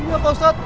iya pak ustadz